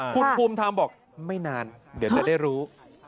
คุณภูมิธรรมบอกไม่นานเดี๋ยวจะได้รู้